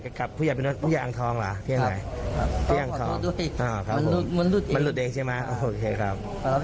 ไม่มีใครหลั่นไปไหนผมหลุดเองครับ